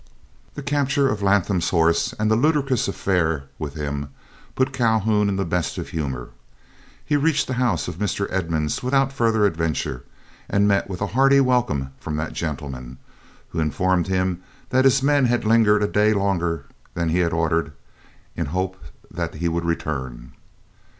The capture of Latham's horse and the ludicrous affair with him put Calhoun in the best of humor. He reached the house of Mr. Edmunds without further adventure, and met with a hearty welcome from that gentleman, who informed him that his men had lingered a day longer than he had ordered, in the hope that he would return.